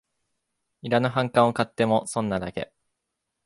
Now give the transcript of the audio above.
いらぬ反感を買っても損なだけ